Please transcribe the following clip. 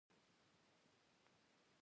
• د علیزي قوم خلک د دوستۍ اصولو ته ژمن دي.